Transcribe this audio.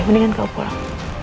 mendingan kau pulang